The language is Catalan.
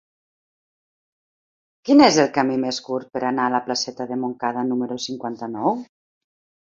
Quin és el camí més curt per anar a la placeta de Montcada número cinquanta-nou?